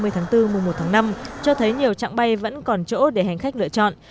ba mươi tháng bốn mùa một tháng năm cho thấy nhiều trạng bay vẫn còn chỗ để hành khách lựa chọn